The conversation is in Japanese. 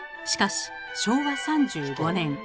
しかし昭和３５年。